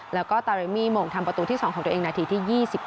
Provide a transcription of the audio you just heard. แล้วก็ตาเรมี่โมงทำประตูที่๒ของตัวเองนาทีที่๒๑